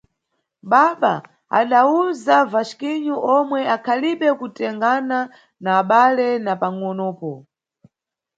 Baba – adawuza Vasquinho omwe akhalibe kutengana na abale na pangʼonopo.